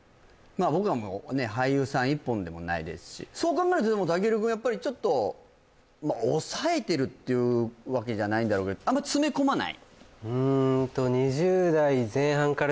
僕は俳優さん一本でもないですしそう考えると健くんやっぱりちょっと抑えてるっていうわけじゃないんだろうけどあんまり詰め込まない？